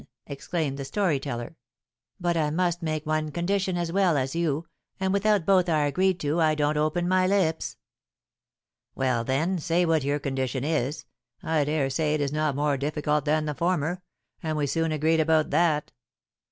exclaimed the story teller. "But I must make one condition as well as you, and, without both are agreed to, I don't open my lips." "Well, then, say what your other condition is. I dare say it is not more difficult than the former, and we soon agreed about that."